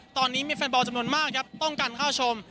ตอนนี้มีแฟนบอลจำนวนมากครับต้องการเข้าชม